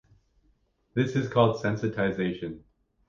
This is called sensitization.